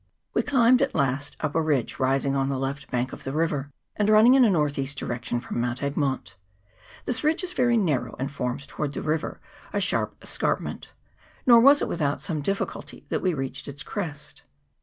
We climbed at last up a ridge rising on the left bank of the river, and running in a north east CHAP. VII.] TO MOUNT EGMONT. 153 direction from Mount Egmont. This ridge is very narrow, and forms, towards the river, a sharp es carpment ; nor was it without some difficulty that we reached its crest.